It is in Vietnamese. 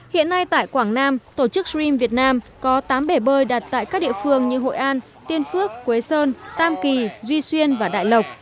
hiện nay tại quảng nam tổ chức sream việt nam có tám bể bơi đặt tại các địa phương như hội an tiên phước quế sơn tam kỳ duy xuyên và đại lộc